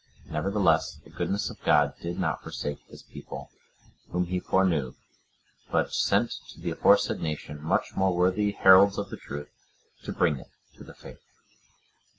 Nevertheless, the goodness of God did not forsake his people, whom he foreknew, but sent to the aforesaid nation much more worthy heralds of the truth, to bring it to the faith.